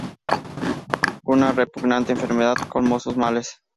Una repugnante enfermedad colmó sus males.